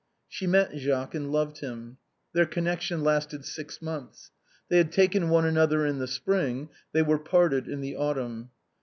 She met Jacques and loved him. Their connection lasted six months. They had taken one another in the spring; they were parted in the autumn.